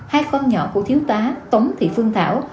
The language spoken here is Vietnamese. hai con nhỏ của thiếu tá tống thị phương thảo